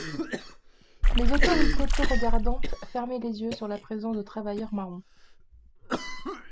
Les autorités peu regardantes fermaient les yeux sur la présence de travailleurs Marrons.